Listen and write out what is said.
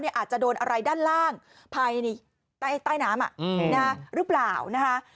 อาจจะโดนอะไรด้านล่างภายใต้น้ำหรือเปล่านะคะ